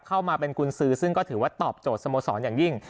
เข้ามาเป็นกุญสือซึ่งก็ถือว่าตอบโจทย์สโมสรอย่างยิ่ง